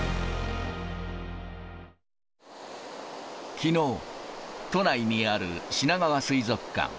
きのう、都内にある、しながわ水族館。